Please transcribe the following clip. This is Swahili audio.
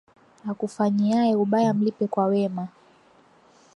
Akufanyiaye ubaya mlipe kwa wema